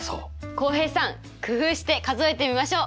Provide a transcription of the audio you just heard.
浩平さん工夫して数えてみましょう！